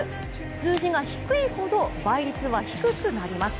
数字が低いほど倍率は低くなります。